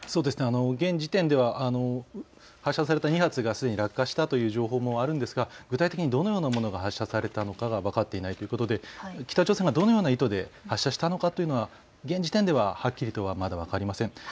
現時点では発射された２発がすでに落下したという情報もあるんですが具体的にどのようなものが発射されたのか分かっていないということで北朝鮮がどのような意図で発射したのかということは現時点ではまだ分かりません。